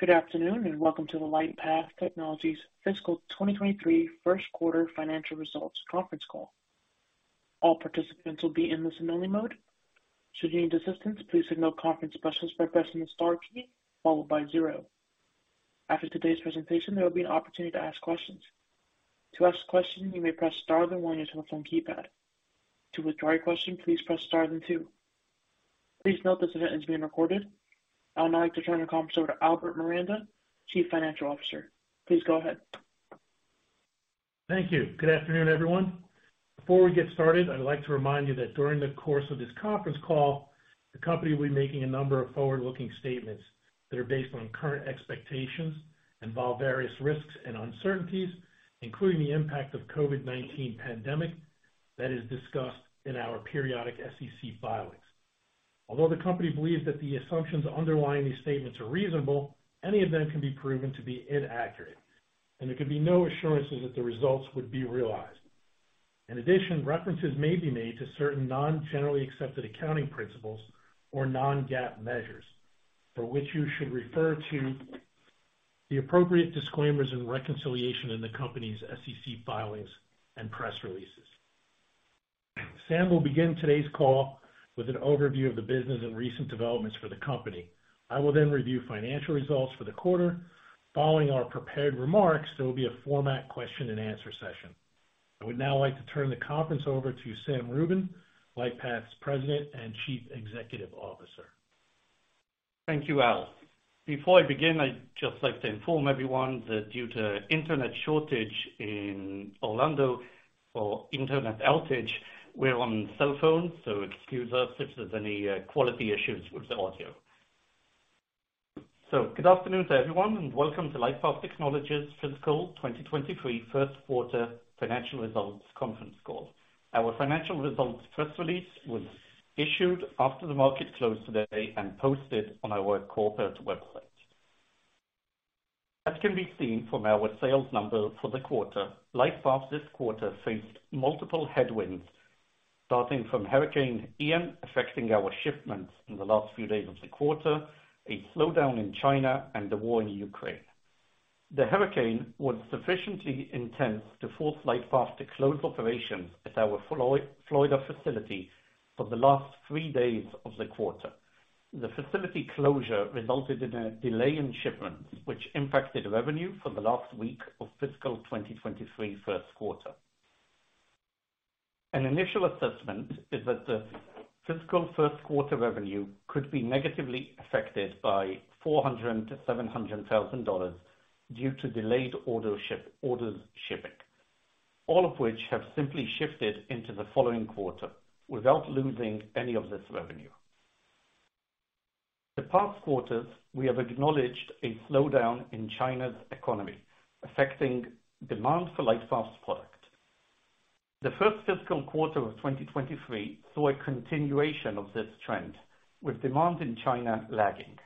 Good afternoon, and welcome to the LightPath Technologies fiscal 2023 first quarter financial results conference call. All participants will be in listen only mode. Should you need assistance, please signal conference specialists by pressing the star key followed by zero. After today's presentation, there will be an opportunity to ask questions. To ask a question, you may press star then one on your telephone keypad. To withdraw your question, please press star then two. Please note this event is being recorded. I would now like to turn the conference over to Albert Miranda, Chief Financial Officer. Please go ahead. Thank you. Good afternoon, everyone. Before we get started, I'd like to remind you that during the course of this conference call, the company will be making a number of forward-looking statements that are based on current expectations, involve various risks and uncertainties, including the impact of COVID-19 pandemic that is discussed in our periodic SEC filings. Although the company believes that the assumptions underlying these statements are reasonable, any of them can be proven to be inaccurate, and there can be no assurances that the results would be realized. In addition, references may be made to certain non-generally accepted accounting principles or non-GAAP measures, for which you should refer to the appropriate disclaimers and reconciliation in the company's SEC filings and press releases. Sam will begin today's call with an overview of the business and recent developments for the company. I will then review financial results for the quarter. Following our prepared remarks, there will be a Q&A session. I would now like to turn the conference over to Sam Rubin, LightPath's President and Chief Executive Officer. Thank you, Al. Before I begin, I'd just like to inform everyone that due to internet outage in Orlando, we're on cell phone, so excuse us if there's any quality issues with the audio. Good afternoon to everyone, and welcome to LightPath Technologies fiscal 2023 first quarter financial results conference call. Our financial results press release was issued after the market closed today and posted on our corporate website. As can be seen from our sales numbers for the quarter, LightPath this quarter faced multiple headwinds, starting from Hurricane Ian, affecting our shipments in the last few days of the quarter, a slowdown in China, and the war in Ukraine. The hurricane was sufficiently intense to force LightPath to close operations at our Florida facility for the last three days of the quarter. The facility closure resulted in a delay in shipments, which impacted revenue for the last week of fiscal 2023 first quarter. An initial assessment is that the fiscal first quarter revenue could be negatively affected by $400,000-$700,000 due to delayed orders shipping, all of which have simply shifted into the following quarter without losing any of this revenue. The past quarters, we have acknowledged a slowdown in China's economy, affecting demand for LightPath's product. The first fiscal quarter of 2023 saw a continuation of this trend, with demand in China lagging.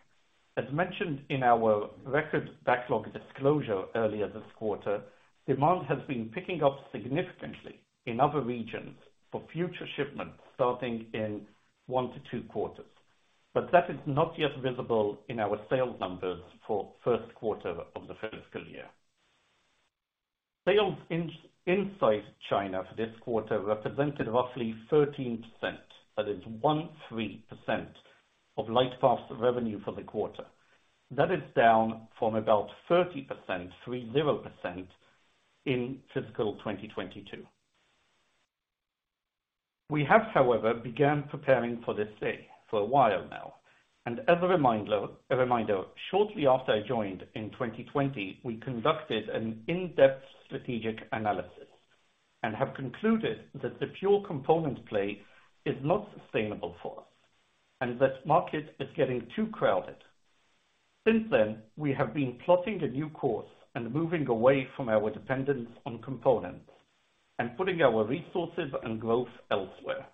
As mentioned in our record backlog disclosure earlier this quarter, demand has been picking up significantly in other regions for future shipments starting in one to two quarters. That is not yet visible in our sales numbers for first quarter of the fiscal year. Sales inside China for this quarter represented roughly 13%, that is 13% of LightPath's revenue for the quarter. That is down from about 30%, 30% in fiscal 2022. We have, however, began preparing for this day for a while now. As a reminder, shortly after I joined in 2020, we conducted an in-depth strategic analysis and have concluded that the pure component play is not sustainable for us and that market is getting too crowded. Since then, we have been plotting a new course and moving away from our dependence on components and putting our resources and growth elsewhere.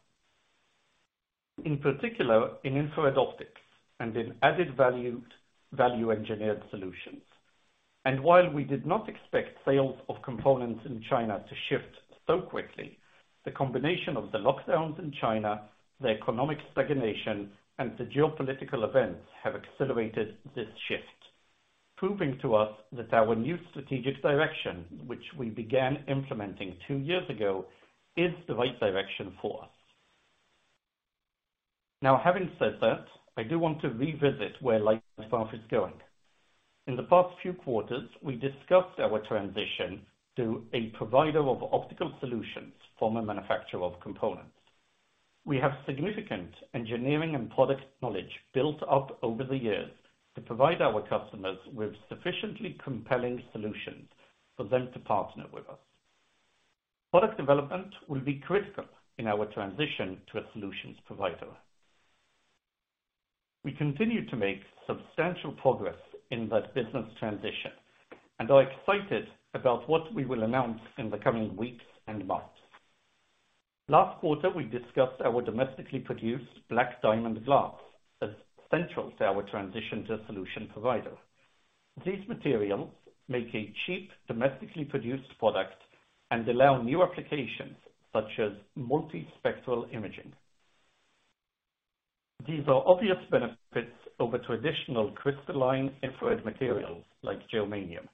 In particular in infrared optics and in value-engineered solutions. While we did not expect sales of components in China to shift so quickly, the combination of the lockdowns in China, the economic stagnation, and the geopolitical events have accelerated this shift, proving to us that our new strategic direction, which we began implementing two years ago, is the right direction for us. Now, having said that, I do want to revisit where LightPath is going. In the past few quarters, we discussed our transition to a provider of optical solutions from a manufacturer of components. We have significant engineering and product knowledge built up over the years to provide our customers with sufficiently compelling solutions for them to partner with us. Product development will be critical in our transition to a solutions provider. We continue to make substantial progress in that business transition and are excited about what we will announce in the coming weeks and months. Last quarter, we discussed our domestically produced BlackDiamond glass as central to our transition to a solution provider. These materials make a cheap, domestically produced product and allow new applications such as multispectral imaging. These are obvious benefits over traditional crystalline infrared materials like germanium,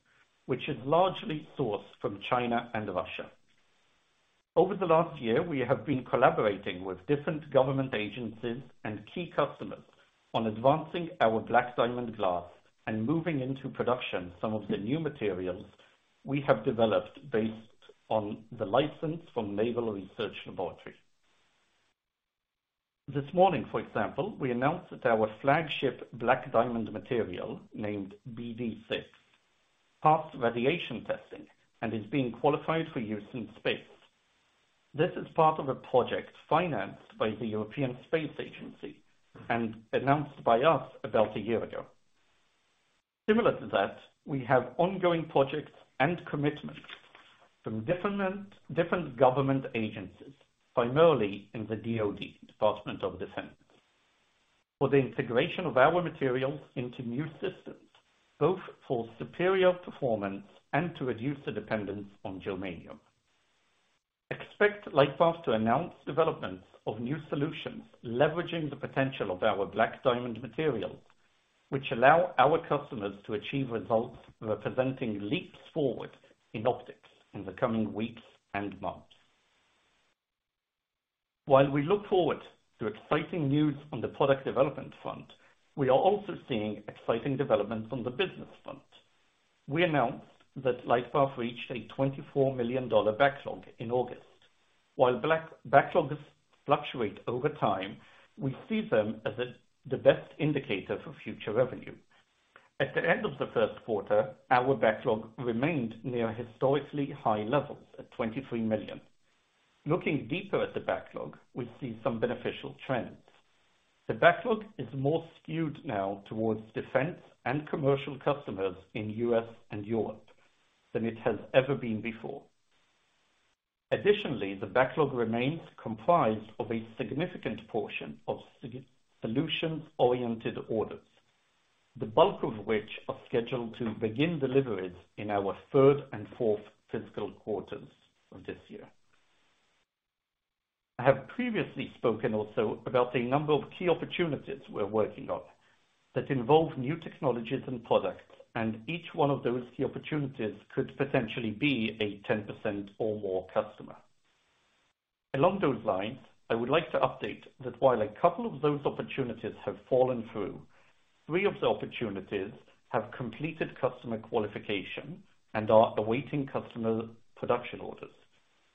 which is largely sourced from China and Russia. Over the last year, we have been collaborating with different government agencies and key customers on advancing our BlackDiamond glass and moving into production some of the new materials we have developed based on the license from Naval Research Laboratory. This morning, for example, we announced that our flagship BlackDiamond material, named BD6, passed radiation testing and is being qualified for use in space. This is part of a project financed by the European Space Agency and announced by us about a year ago. Similar to that, we have ongoing projects and commitments from different government agencies, primarily in the DoD, Department of Defense, for the integration of our materials into new systems, both for superior performance and to reduce the dependence on germanium. Expect LightPath to announce developments of new solutions leveraging the potential of our BlackDiamond materials, which allow our customers to achieve results representing leaps forward in optics in the coming weeks and months. While we look forward to exciting news on the product development front, we are also seeing exciting developments on the business front. We announced that LightPath reached a $24 million backlog in August. While backlogs fluctuate over time, we see them as the best indicator for future revenue. At the end of the first quarter, our backlog remained near historically high levels at $23 million. Looking deeper at the backlog, we see some beneficial trends. The backlog is more skewed now towards defense and commercial customers in U.S. and Europe than it has ever been before. Additionally, the backlog remains comprised of a significant portion of solution-oriented orders, the bulk of which are scheduled to begin deliveries in our third and fourth fiscal quarters of this year. I have previously spoken also about a number of key opportunities we're working on that involve new technologies and products, and each one of those key opportunities could potentially be a 10% or more customer. Along those lines, I would like to update that while a couple of those opportunities have fallen through, three of the opportunities have completed customer qualification and are awaiting customer production orders.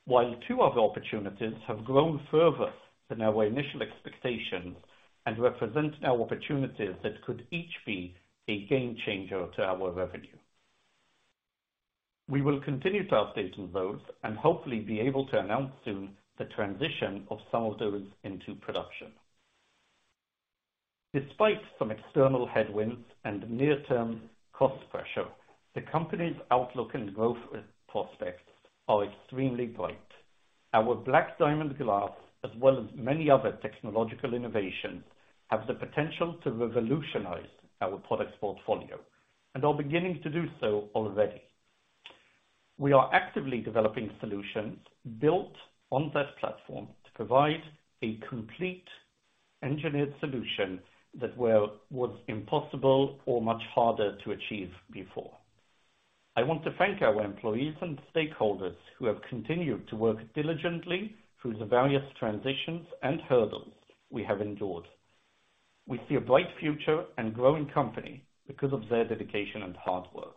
While two other opportunities have grown further than our initial expectations and represent now opportunities that could each be a game changer to our revenue. We will continue to update on those and hopefully be able to announce soon the transition of some of those into production. Despite some external headwinds and near-term cost pressure, the company's outlook and growth prospects are extremely bright. Our BlackDiamond glass, as well as many other technological innovations, have the potential to revolutionize our products portfolio and are beginning to do so already. We are actively developing solutions built on that platform to provide a complete engineered solution that was impossible or much harder to achieve before. I want to thank our employees and stakeholders who have continued to work diligently through the various transitions and hurdles we have endured. We see a bright future and growing company because of their dedication and hard work.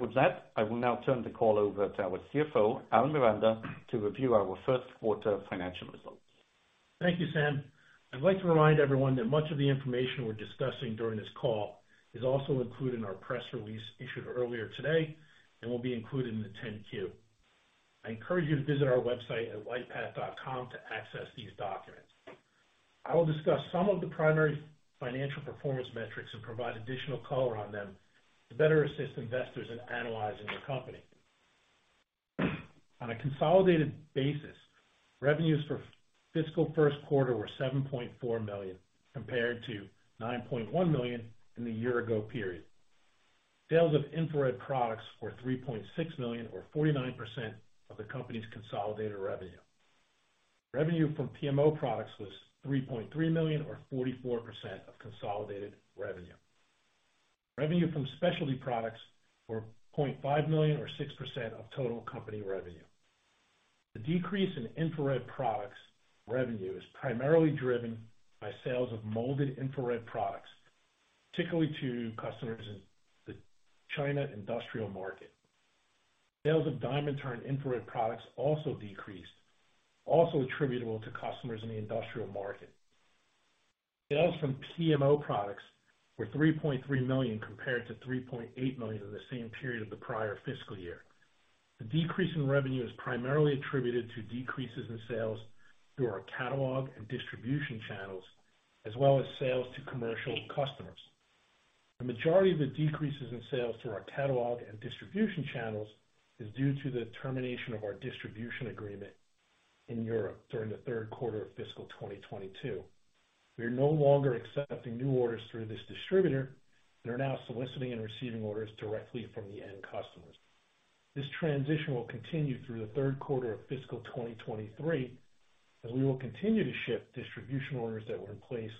With that, I will now turn the call over to our CFO, Albert Miranda, to review our first quarter financial results. Thank you, Sam. I'd like to remind everyone that much of the information we're discussing during this call is also included in our press release issued earlier today and will be included in the 10-Q. I encourage you to visit our website at lightpath.com to access these documents. I will discuss some of the primary financial performance metrics and provide additional color on them to better assist investors in analyzing the company. On a consolidated basis, revenues for fiscal first quarter were $7.4 million, compared to $9.1 million in the year ago period. Sales of infrared products were $3.6 million or 49% of the company's consolidated revenue. Revenue from PMO products was $3.3 million or 44% of consolidated revenue. Revenue from specialty products were $0.5 million or 6% of total company revenue. The decrease in infrared products revenue is primarily driven by sales of molded infrared products, particularly to customers in the China industrial market. Sales of diamond turned infrared products also decreased, also attributable to customers in the industrial market. Sales from PMO products were $3.3 million compared to $3.8 million in the same period of the prior fiscal year. The decrease in revenue is primarily attributed to decreases in sales through our catalog and distribution channels, as well as sales to commercial customers. The majority of the decreases in sales through our catalog and distribution channels is due to the termination of our distribution agreement in Europe during the third quarter of fiscal 2022. We are no longer accepting new orders through this distributor. They're now soliciting and receiving orders directly from the end customers. This transition will continue through the third quarter of fiscal 2023, as we will continue to ship distribution orders that were in place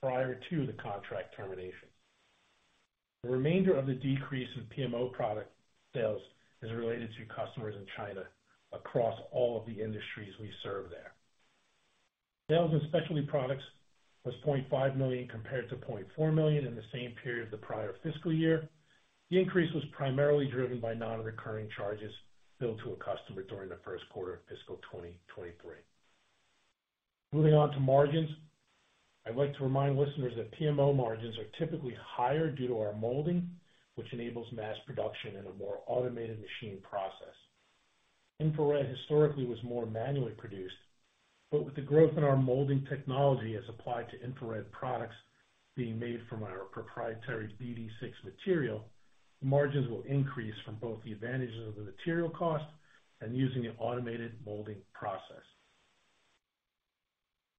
prior to the contract termination. The remainder of the decrease in PMO product sales is related to customers in China across all of the industries we serve there. Sales in specialty products was $0.5 million compared to $0.4 million in the same period of the prior fiscal year. The increase was primarily driven by non-recurring charges billed to a customer during the first quarter of fiscal 2023. Moving on to margins. I'd like to remind listeners that PMO margins are typically higher due to our molding, which enables mass production in a more automated machine process. Infrared historically was more manually produced, but with the growth in our molding technology as applied to infrared products being made from our proprietary BD6 material, margins will increase from both the advantages of the material cost and using an automated molding process.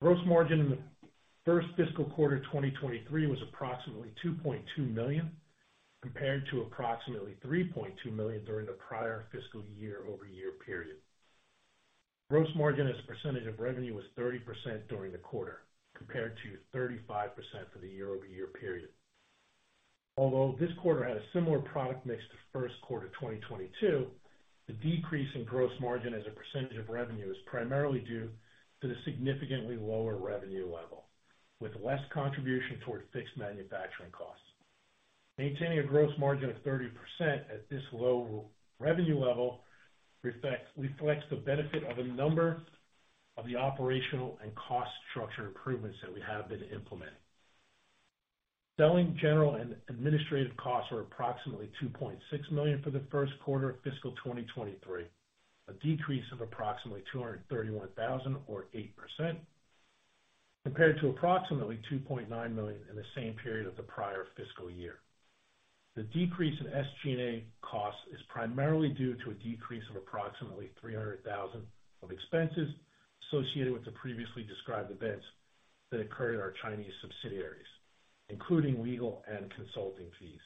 Gross margin in the first fiscal quarter of 2023 was approximately $2.2 million, compared to approximately $3.2 million during the prior fiscal year-over-year period. Gross margin as a percentage of revenue was 30% during the quarter, compared to 35% for the year-over-year period. Although this quarter had a similar product mix to first quarter of 2022, the decrease in gross margin as a percentage of revenue is primarily due to the significantly lower revenue level, with less contribution towards fixed manufacturing costs. Maintaining a gross margin of 30% at this low revenue level reflects the benefit of a number of the operational and cost structure improvements that we have been implementing. Selling, general, and administrative costs were approximately $2.6 million for the first quarter of fiscal 2023, a decrease of approximately $231,000 or 8% compared to approximately $2.9 million in the same period of the prior fiscal year. The decrease in SG&A costs is primarily due to a decrease of approximately $300,000 of expenses associated with the previously described events that occurred at our Chinese subsidiaries, including legal and consulting fees.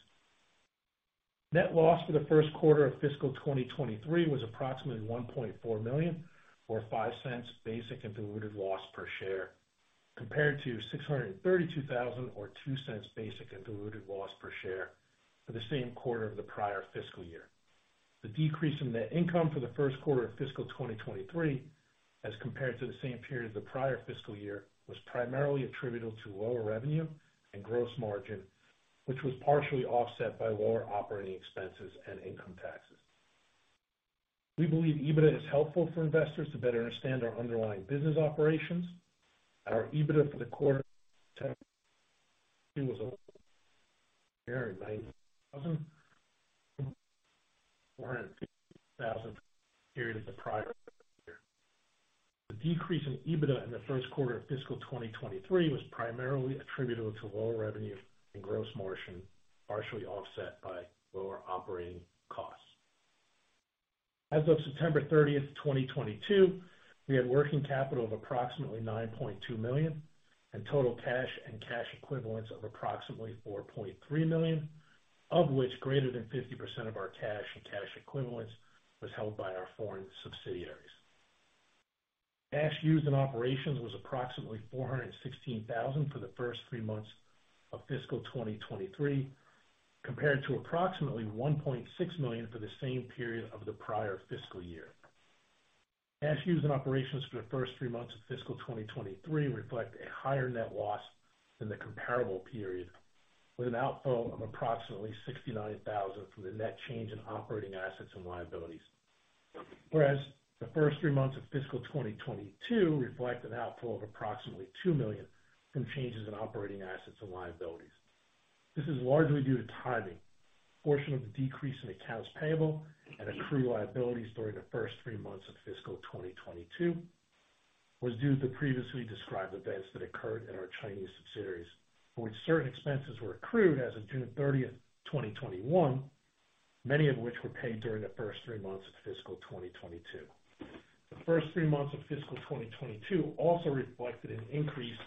Net loss for the first quarter of fiscal 2023 was approximately $1.4 million or $0.05 basic and diluted loss per share, compared to $632,000 or $0.02 basic and diluted loss per share for the same quarter of the prior fiscal year. The decrease in net income for the first quarter of fiscal 2023, as compared to the same period of the prior fiscal year, was primarily attributable to lower revenue and gross margin, which was partially offset by lower operating expenses and income taxes. We believe EBITDA is helpful for investors to better understand our underlying business operations. Our EBITDA for the quarter period of the prior year. The decrease in EBITDA in the first quarter of fiscal 2023 was primarily attributable to lower revenue and gross margin, partially offset by lower operating costs. As of September 30th, 2022, we had working capital of approximately $9.2 million and total cash and cash equivalents of approximately $4.3 million, of which greater than 50% of our cash and cash equivalents was held by our foreign subsidiaries. Cash used in operations was approximately $416,000 for the first three months of fiscal 2023, compared to approximately $1.6 million for the same period of the prior fiscal year. Cash used in operations for the first three months of fiscal 2023 reflect a higher net loss than the comparable period, with an outflow of approximately $69,000 from the net change in operating assets and liabilities. Whereas the first three months of fiscal 2022 reflect an outflow of approximately $2 million from changes in operating assets and liabilities. This is largely due to timing. A portion of the decrease in accounts payable and accrued liabilities during the first three months of fiscal 2022 was due to previously described events that occurred in our Chinese subsidiaries, for which certain expenses were accrued as of June 30th, 2021, many of which were paid during the first three months of fiscal 2022. The first three months of fiscal 2022 also reflected an increase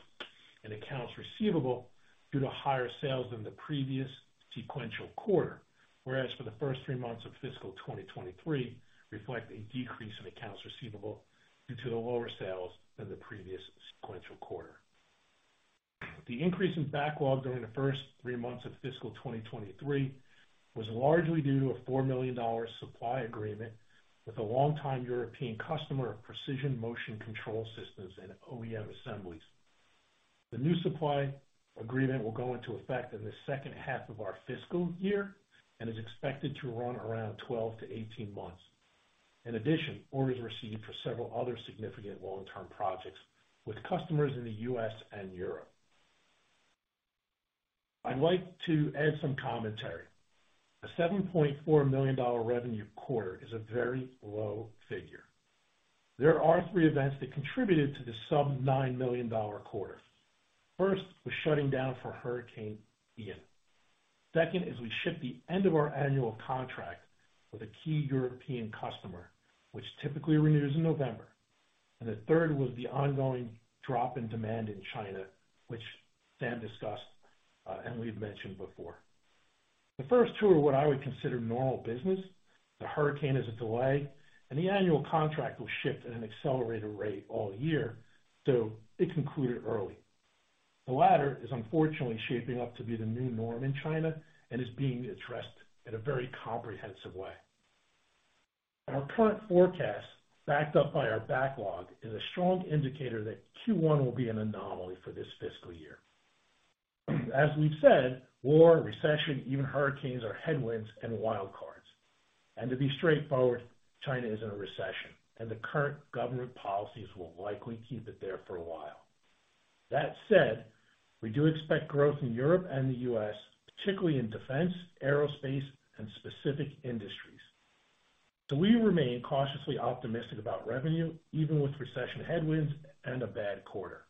in accounts receivable due to higher sales than the previous sequential quarter, whereas for the first three months of fiscal 2023 reflect a decrease in accounts receivable due to the lower sales than the previous sequential quarter. The increase in backlog during the first three months of fiscal 2023 was largely due to a $4 million supply agreement with a long-time European customer of precision motion control systems and OEM assemblies. The new supply agreement will go into effect in the second half of our fiscal year and is expected to run around 12-18 months. In addition, orders received for several other significant long-term projects with customers in the U.S. and Europe. I'd like to add some commentary. A $7.4 million revenue quarter is a very low figure. There are three events that contributed to the sub-$9 million quarter. First, was shutting down for Hurricane Ian. Second is we shipped the end of our annual contract with a key European customer, which typically renews in November. The third was the ongoing drop in demand in China, which Sam discussed, and we've mentioned before. The first two are what I would consider normal business. The hurricane is a delay, and the annual contract will shift at an accelerated rate all year, so it concluded early. The latter is unfortunately shaping up to be the new norm in China and is being addressed in a very comprehensive way. Our current forecast, backed up by our backlog, is a strong indicator that Q1 will be an anomaly for this fiscal year. As we've said, war, recession, even hurricanes are headwinds and wild cards. To be straightforward, China is in a recession and the current government policies will likely keep it there for a while. That said, we do expect growth in Europe and the U.S., particularly in defense, aerospace and specific industries. We remain cautiously optimistic about revenue even with recession headwinds and a bad quarter.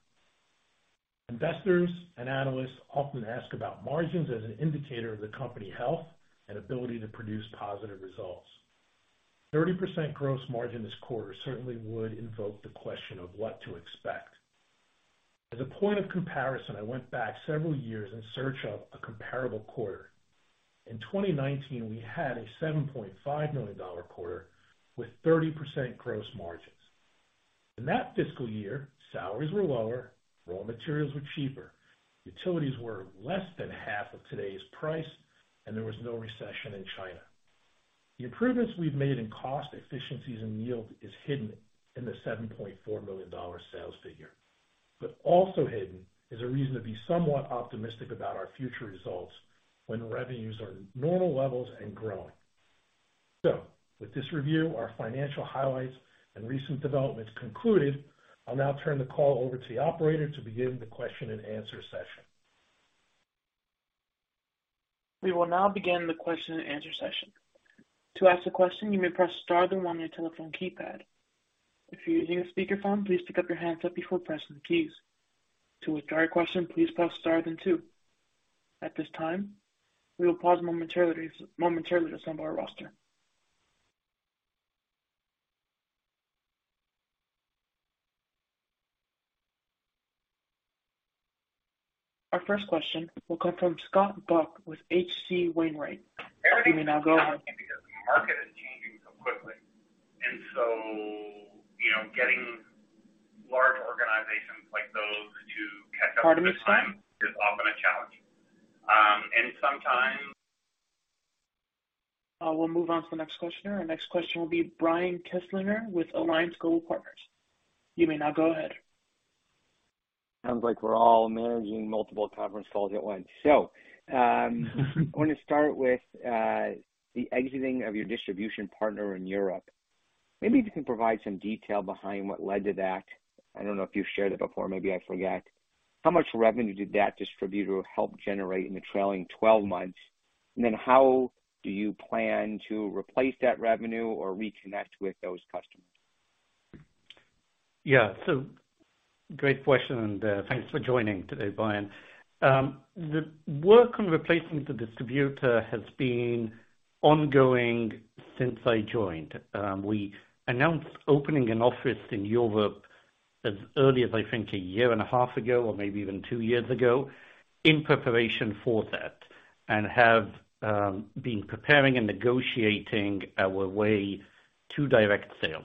Investors and analysts often ask about margins as an indicator of the company health and ability to produce positive results. 30% gross margin this quarter certainly would invoke the question of what to expect. As a point of comparison, I went back several years in search of a comparable quarter. In 2019, we had a $7.5 million quarter with 30% gross margins. In that fiscal year, salaries were lower, raw materials were cheaper, utilities were less than half of today's price, and there was no recession in China. The improvements we've made in cost efficiencies and yield is hidden in the $7.4 million sales figure. Also hidden is a reason to be somewhat optimistic about our future results when revenues are at normal levels and growing. With this review, our financial highlights and recent developments concluded, I'll now turn the call over to the operator to begin the question and answer session. We will now begin the question and answer session. To ask a question, you may press star then one on your telephone keypad. If you're using a speakerphone, please pick up your handset before pressing the keys. To withdraw your question, please press star then two. At this time, we will pause momentarily to assemble our roster. Our first question will come from Scott Buck with H.C. Wainwright. You may now go ahead. Because the market is changing so quickly. You know, getting large organizations like those to catch up. Pardon me, sir? Is often a challenge. We'll move on to the next questioner. Our next question will be Brian Kinstlinger with Alliance Global Partners. You may now go ahead. Sounds like we're all managing multiple conference calls at once. I wanna start with the exiting of your distribution partner in Europe. Maybe if you can provide some detail behind what led to that. I don't know if you've shared it before. Maybe I forget. How much revenue did that distributor help generate in the trailing 12 months? How do you plan to replace that revenue or reconnect with those customers? Yeah. Great question, and thanks for joining today, Brian. The work on replacing the distributor has been ongoing since I joined. We announced opening an office in Europe as early as I think a year and a half ago, or maybe even two years ago, in preparation for that, and have been preparing and negotiating our way to direct sales.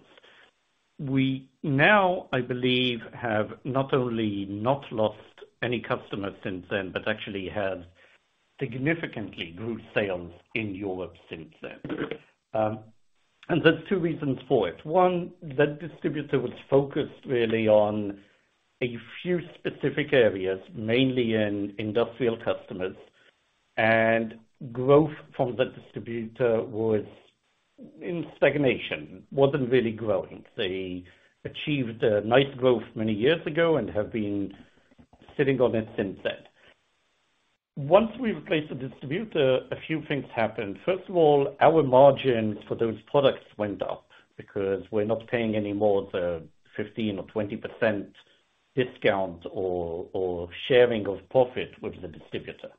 We now, I believe, have not only not lost any customers since then, but actually have significantly grew sales in Europe since then. There's two reasons for it. One, the distributor was focused really on a few specific areas, mainly in industrial customers, and growth from the distributor was in stagnation, wasn't really growing. They achieved a nice growth many years ago and have been sitting on it since then. Once we replaced the distributor, a few things happened. First of all, our margins for those products went up because we're not paying any more the 15% or 20% discount or sharing of profit with the distributor.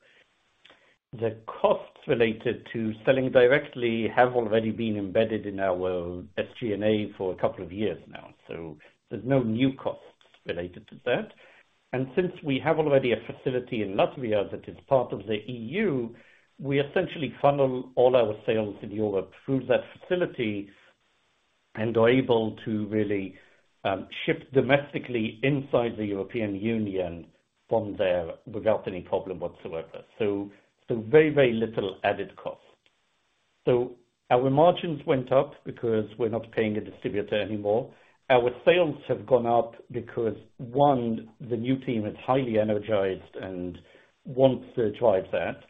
The costs related to selling directly have already been embedded in our SG&A for a couple of years now, so there's no new costs related to that. Since we have already a facility in Latvia that is part of the EU, we essentially funnel all our sales in Europe through that facility and are able to really ship domestically inside the European Union from there without any problem whatsoever. Very little added cost. Our margins went up because we're not paying a distributor anymore. Our sales have gone up because, one, the new team is highly energized and wants to drive that.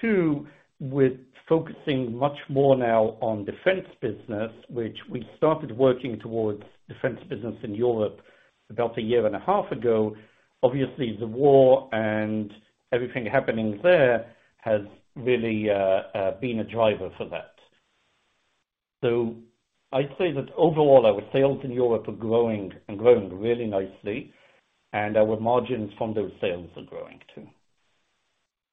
Two, with focusing much more now on defense business, which we started working towards defense business in Europe about a year and a half ago. Obviously, the war and everything happening there has really been a driver for that. I'd say that overall, our sales in Europe are growing and growing really nicely, and our margins from those sales are growing too.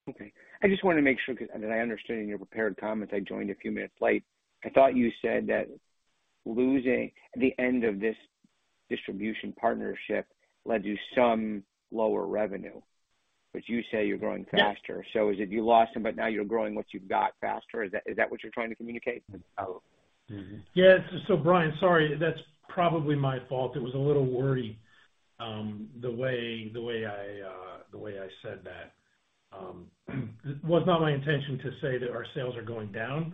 Okay. I just wanna make sure that I understood in your prepared comments. I joined a few minutes late. I thought you said that the end of this distribution partnership led to some lower revenue, but you say you're growing faster. Yeah. Is it you lost them, but now you're growing what you've got faster? Is that what you're trying to communicate? Oh. Mm-hmm. Yeah. Brian, sorry. That's probably my fault. It was a little wordy, the way I said that. It was not my intention to say that our sales are going down.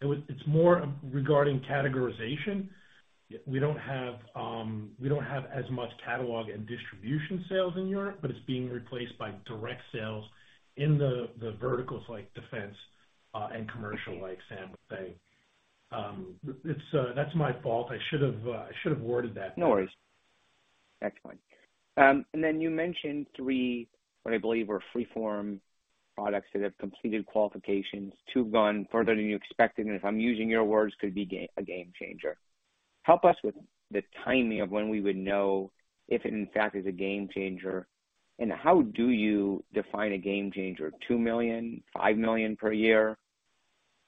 It's more regarding categorization. We don't have as much catalog and distribution sales in Europe, but it's being replaced by direct sales in the verticals like defense and commercial, like Sam was saying. That's my fault. I should have worded that better. No worries. Excellent. And then you mentioned three, what I believe were freeform products that have completed qualifications. Two have gone further than you expected, and if I'm using your words, could be a game changer. Help us with the timing of when we would know if it in fact is a game changer. How do you define a game changer? $2 million, $5 million per year?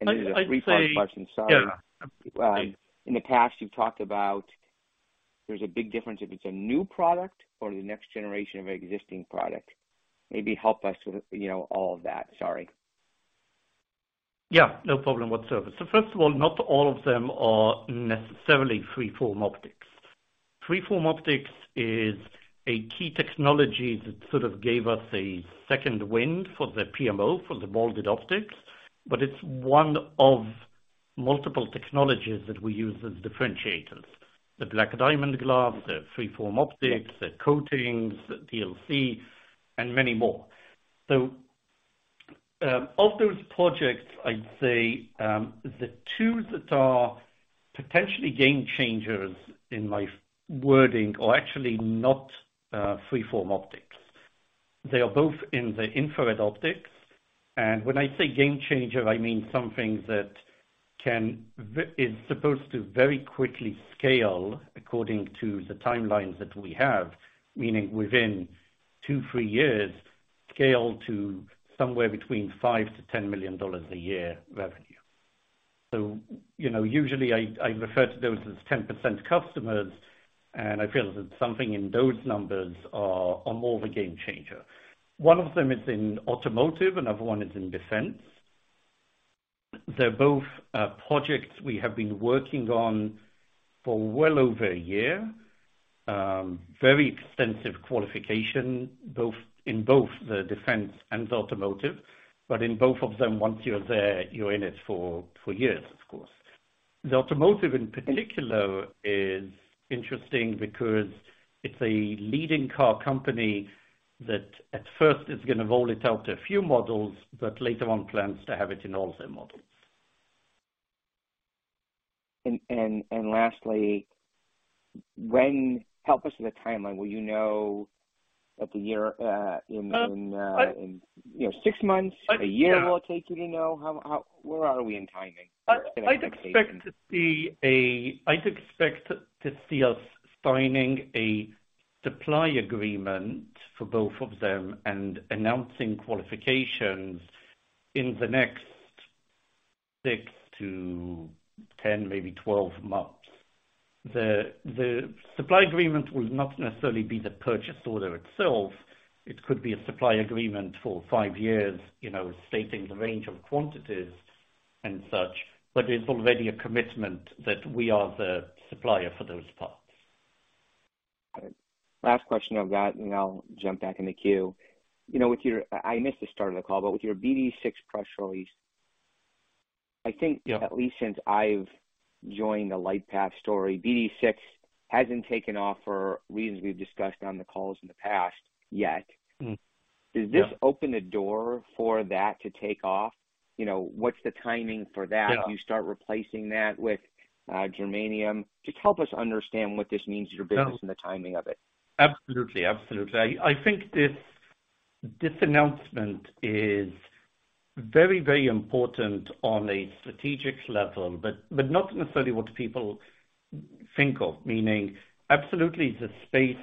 I'd say. This is a three-part question. Sorry. Yeah. In the past, you've talked about there's a big difference if it's a new product or the next generation of existing product. Maybe help us with, you know, all of that. Sorry. Yeah, no problem whatsoever. First of all, not all of them are necessarily freeform optics. Freeform optics is a key technology that sort of gave us a second wind for the PMO, for the molded optics, but it's one of multiple technologies that we use as differentiators. The diamond glass, the freeform optics. The coatings, the DLC, and many more. So, of those projects, I'd say, the two that are potentially game changers in my wording are actually not freeform optics. They are both in the infrared optics. When I say game changer, I mean something that is supposed to very quickly scale according to the timelines that we have. Meaning within two, three years, scale to somewhere between $5 million-$10 million a year revenue. You know, usually I refer to those as 10% customers, and I feel that something in those numbers are more of a game changer. One of them is in automotive, another one is in defense. They're both projects we have been working on for well over a year. Very extensive qualification in both the defense and the automotive. In both of them, once you're there, you're in it for years, of course. The automotive in particular is interesting because it's a leading car company that at first is gonna roll it out to a few models, but later on plans to have it in all of their models. Lastly, help us with the timeline. Will you know at the year, in Uh, I. You know, six months. I. In a year will it take you to know? How, where are we in timing? I'd expect to see us signing a supply agreement for both of them and announcing qualifications in the next 6-10, maybe 12 months. The supply agreement will not necessarily be the purchase order itself. It could be a supply agreement for five years, you know, stating the range of quantities and such, but it's already a commitment that we are the supplier for those parts. Last question I've got, and I'll jump back in the queue. You know, with your BD6 press release, I think. Yeah. At least since I've joined the LightPath story, BD6 hasn't taken off for reasons we've discussed on the calls in the past yet. Mm-hmm. Yeah. Does this open the door for that to take off? You know, what's the timing for that? Yeah. Do you start replacing that with germanium? Just help us understand what this means to your business and the timing of it. Absolutely. I think this announcement is very important on a strategic level, but not necessarily what people think of, meaning absolutely the space,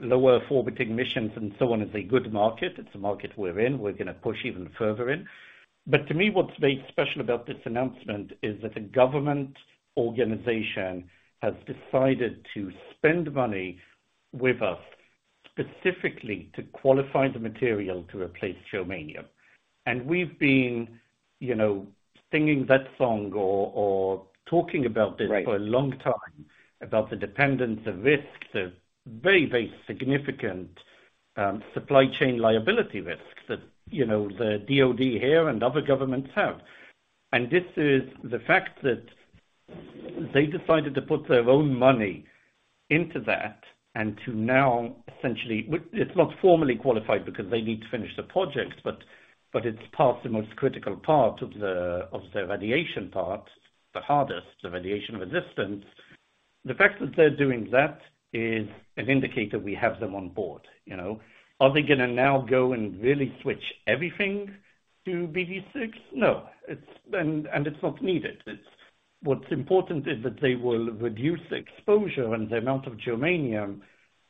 lower orbiting missions and so on is a good market. It's a market we're in, we're gonna push even further in. To me, what's very special about this announcement is that a government organization has decided to spend money with us specifically to qualify the material to replace germanium. We've been, you know, singing that song or talking about this. Right. For a long time, about the dependence, the risks, the very, very significant supply chain liability risks that, you know, the DoD here and other governments have. This is the fact that they decided to put their own money into that and to now essentially. It's not formally qualified because they need to finish the project, but it's passed the most critical part of the radiation part, the hardest, the radiation resistance. The fact that they're doing that is an indicator we have them on board, you know. Are they gonna now go and really switch everything to BD6? No, it's not needed. What's important is that they will reduce the exposure and the amount of germanium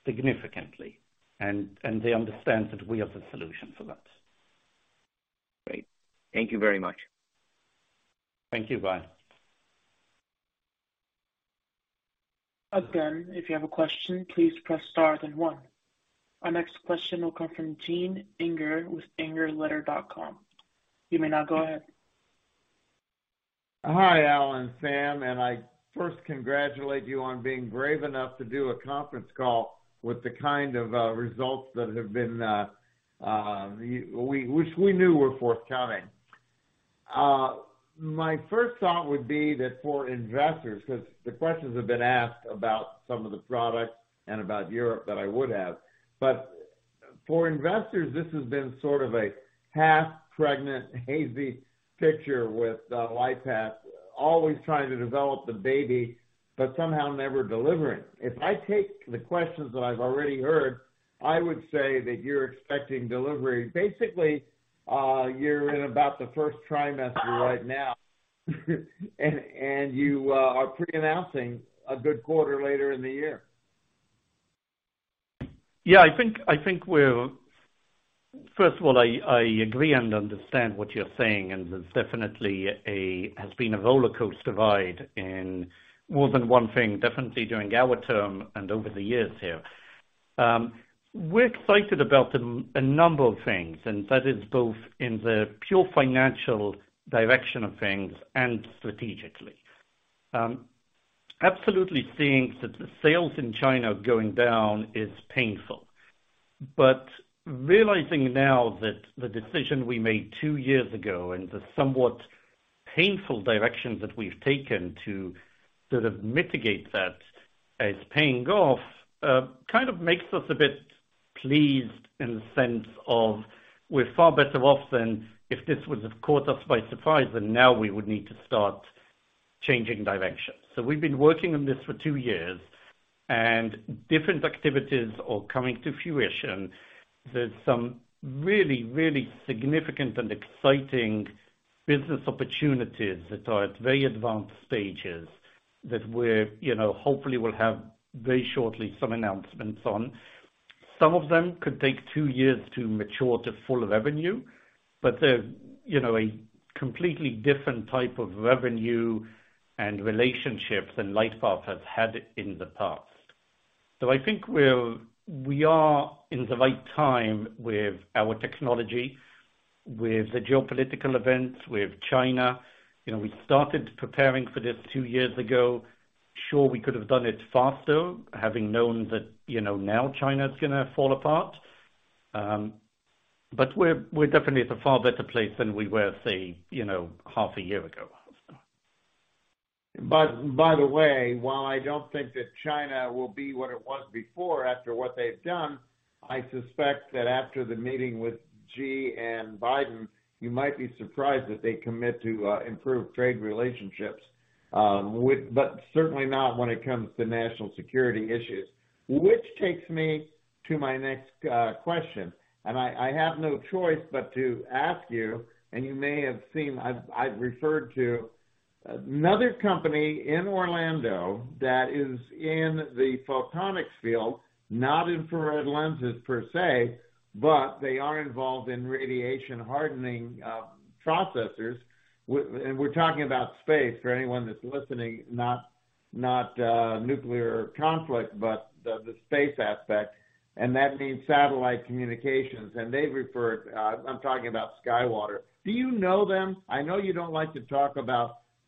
significantly, and they understand that we are the solution for that. Great. Thank you very much. Thank you. Bye. Again, if you have a question, please press star then one. Our next question will come from Gene Inger with ingerletter.com. You may now go ahead. Hi, Albert, Sam, and I first congratulate you on being brave enough to do a conference call with the kind of results that have been, which we knew were forthcoming. My first thought would be that for investors, 'cause the questions have been asked about some of the products and about Europe that I would have, but for investors, this has been sort of a half-pregnant, hazy picture with LightPath always trying to develop the baby but somehow never delivering. If I take the questions that I've already heard, I would say that you're expecting delivery. Basically, you're in about the first trimester right now, and you are pre-announcing a good quarter later in the year. Yeah. I think we're first of all, I agree and understand what you're saying, and it's definitely has been a rollercoaster ride in more than one thing, definitely during our term and over the years here. We're excited about a number of things, and that is both in the pure financial direction of things and strategically. Absolutely seeing that the sales in China going down is painful. Realizing now that the decision we made two years ago and the somewhat painful direction that we've taken to sort of mitigate that is paying off kind of makes us a bit pleased in the sense of we're far better off than if this would have caught us by surprise, and now we would need to start changing direction. We've been working on this for two years, and different activities are coming to fruition. There's some really, really significant and exciting business opportunities that are at very advanced stages that we're, you know, hopefully will have very shortly some announcements on. Some of them could take two years to mature to full revenue, but they're, you know, a completely different type of revenue and relationships than LightPath has had in the past. I think we are in the right time with our technology, with the geopolitical events, with China. You know, we started preparing for this two years ago. Sure, we could have done it faster, having known that, you know, now China's gonna fall apart. But we're definitely at a far better place than we were, say, you know, half a year ago. By the way, while I don't think that China will be what it was before after what they've done, I suspect that after the meeting with Xi and Biden, you might be surprised that they commit to improved trade relationships with, but certainly not when it comes to national security issues. Which takes me to my next question, and I have no choice but to ask you, and you may have seen, I've referred to another company in Orlando that is in the photonics field, not infrared lenses per se, but they are involved in radiation hardening processors. And we're talking about space for anyone that's listening, not nuclear conflict, but the space aspect, and that means satellite communications. They've referred. I'm talking about SkyWater. Do you know them? I know you don't like to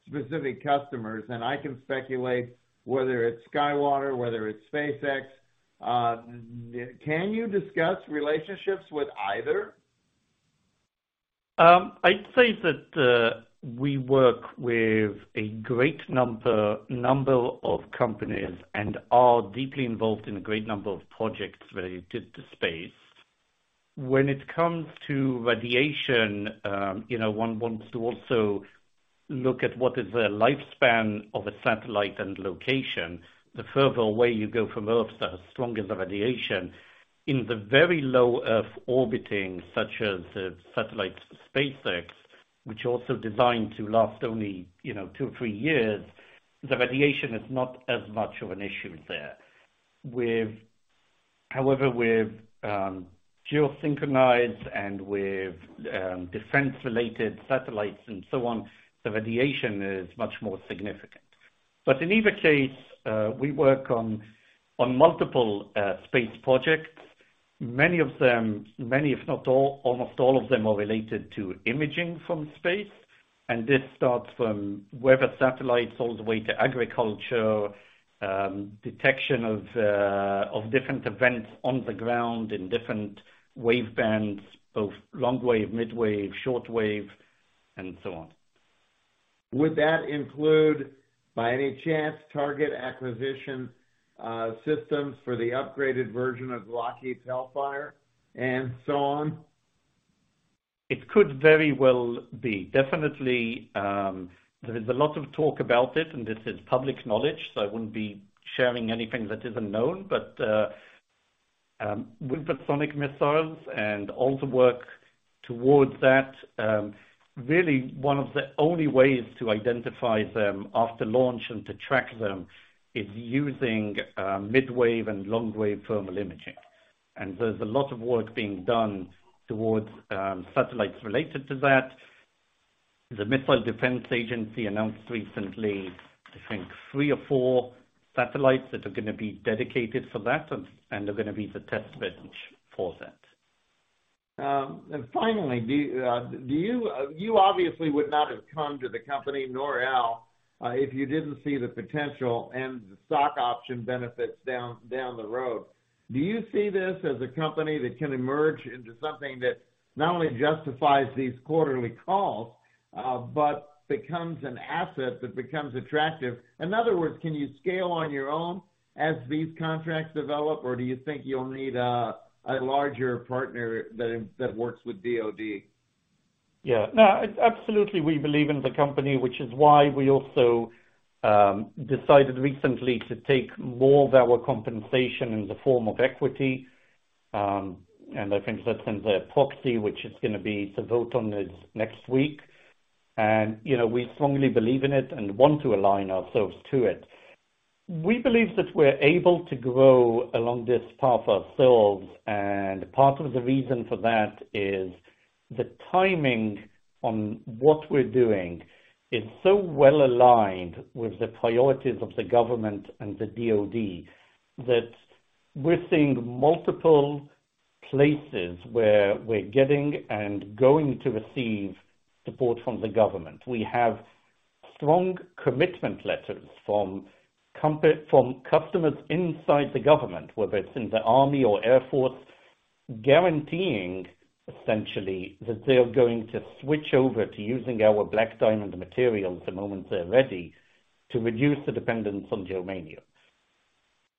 talk about specific customers, and I can speculate whether it's SkyWater, whether it's SpaceX. Can you discuss relationships with either? I'd say that we work with a great number of companies and are deeply involved in a great number of projects related to space. When it comes to radiation, you know, one wants to also look at what is the lifespan of a satellite and location. The further away you go from Earth, the stronger the radiation. In the very low Earth orbiting, such as the satellite SpaceX, which also designed to last only, you know, two or three years, the radiation is not as much of an issue there. However, with geosynchronous and with defense-related satellites and so on, the radiation is much more significant. In either case, we work on multiple space projects. Many of them, if not all, almost all of them are related to imaging from space. This starts from weather satellites all the way to agriculture, detection of different events on the ground in different wavebands, both long wave, midwave, short wave and so on. Would that include, by any chance, target acquisition systems for the upgraded version of Lockheed Hellfire and so on? It could very well be. Definitely, there is a lot of talk about it, and this is public knowledge, so I wouldn't be sharing anything that isn't known. With the hypersonic missiles and all the work towards that, really one of the only ways to identify them after launch and to track them is using midwave and long-wave thermal imaging. There's a lot of work being done towards satellites related to that. The Missile Defense Agency announced recently, I think, three or four satellites that are gonna be dedicated for that, and they're gonna be the testbed for that. Finally, you obviously would not have come to the company, nor Al, if you didn't see the potential and the stock option benefits down the road. Do you see this as a company that can emerge into something that not only justifies these quarterly calls, but becomes an asset that becomes attractive? In other words, can you scale on your own as these contracts develop, or do you think you'll need a larger partner that works with DoD? Yeah. No, absolutely, we believe in the company, which is why we also decided recently to take more of our compensation in the form of equity. I think that's in the proxy, which is gonna be to vote on this next week. You know, we strongly believe in it and want to align ourselves to it. We believe that we're able to grow along this path ourselves, and part of the reason for that is the timing on what we're doing is so well aligned with the priorities of the government and the DoD, that we're seeing multiple places where we're getting and going to receive support from the government. We have strong commitment letters from customers inside the government, whether it's in the Army or Air Force, guaranteeing essentially that they are going to switch over to using our BlackDiamond materials the moment they're ready to reduce the dependence on germanium.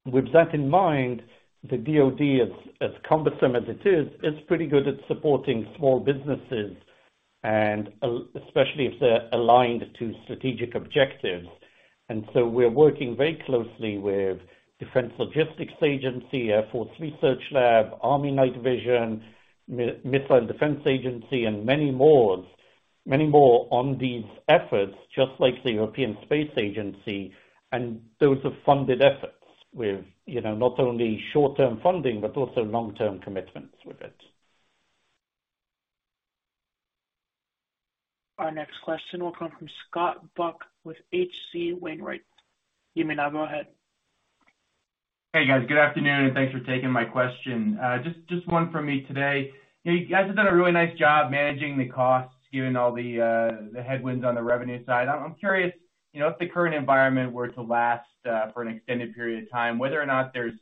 With that in mind, the DoD, as cumbersome as it is, it's pretty good at supporting small businesses and especially if they're aligned to strategic objectives. We're working very closely with Defense Logistics Agency, Air Force Research Lab, Army Night Vision, Missile Defense Agency, and many more on these efforts, just like the European Space Agency. Those are funded efforts with, you know, not only short-term funding, but also long-term commitments with it. Our next question will come from Scott Buck with H.C. Wainwright. You may now go ahead. Hey, guys. Good afternoon, and thanks for taking my question. Just one from me today. You guys have done a really nice job managing the costs given all the headwinds on the revenue side. I'm curious, you know, if the current environment were to last for an extended period of time, whether or not there's,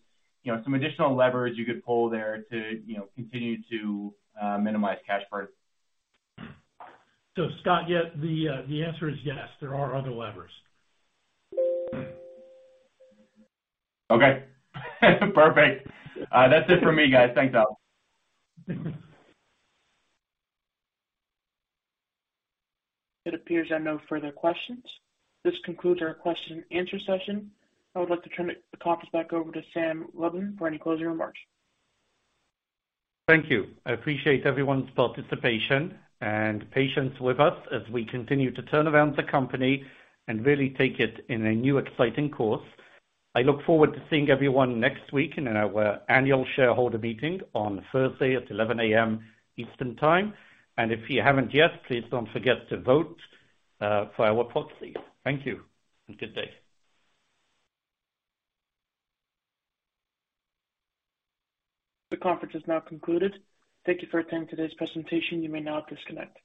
you know, some additional leverage you could pull there to, you know, continue to minimize cash burn? Scott, yeah, the answer is yes, there are other levers. Okay. Perfect. That's it for me, guys. Thanks, Al. It appears there are no further questions. This concludes our question and answer session. I would like to turn the conference back over to Sam Rubin for any closing remarks. Thank you. I appreciate everyone's participation and patience with us as we continue to turn around the company and really take it in a new, exciting course. I look forward to seeing everyone next week in our annual shareholder meeting on Thursday at 11 A.M. Eastern time. If you haven't yet, please don't forget to vote for our proxy. Thank you, and good day. The conference is now concluded. Thank you for attending today's presentation. You may now disconnect.